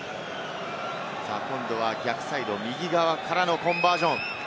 さぁ今度は逆サイドを右側からのコンバージョン。